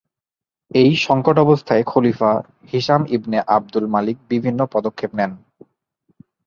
এই সঙ্কটাবস্থায় খলিফা হিশাম ইবনে আবদুল মালিক ভিন্ন পদক্ষেপ নেন।